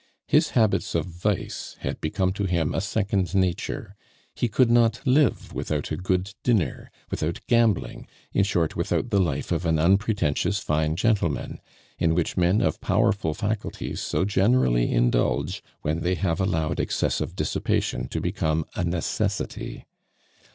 His habits of vice had become to him a second nature; he could not live without a good dinner, without gambling, in short, without the life of an unpretentious fine gentleman, in which men of powerful faculties so generally indulge when they have allowed excessive dissipation to become a necessity.